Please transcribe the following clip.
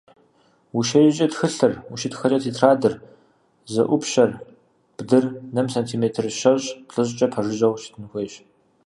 УщеджэкӀэ тхылъыр, ущытхэкӀэ тетрадыр, зэӀупщэр, бдыр нэм сантиметр щэщӀ—плӀыщӀкӀэ пэжыжьэу щытын хуейщ.